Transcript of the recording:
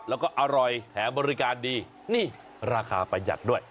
แล้วก็อร่อยแถมบริการดีนี่ราคาประหยัดด้วย